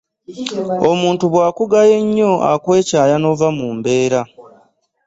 omuntu bw'akugaya ennyo akwekyaya n'ova mu mbeere.